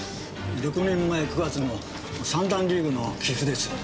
６年前９月の三段リーグの棋譜です。